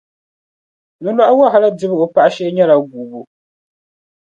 Nolɔɣu wahala dibu o paɣa shee nyɛla guubu.